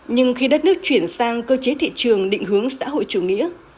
nhưng khi đất nước chuyển sang cơ chế thị trường định hướng xã hội chủ nghĩa